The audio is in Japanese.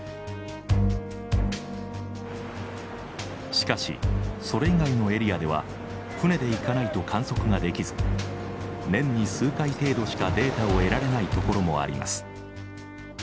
しかしそれ以外のエリアでは船で行かないと観測ができず年に数回程度しかデータを得られないところもあります。